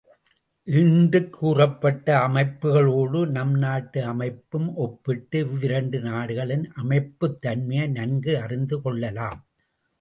ஈண்டுக் கூறப்பட்ட அமைப்புக்களோடு நம் நாட்டு அமைப்பையும் ஒப்பிட்டு இவ்விரண்டு நாடுகளின் அமைப்புத் தன்மையை நன்கு அறிந்து கொள்ளலாம்.